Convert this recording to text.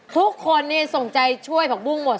ทุกคนนี่ส่งใจช่วยผักบุ้งหมด